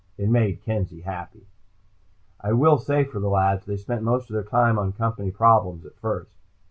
It made Kenzie happy. I will say for the lads, they spent most of their time on Company problems, at first.